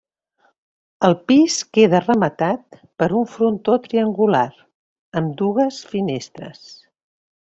El pis queda rematat per un frontó triangular, amb dues finestres.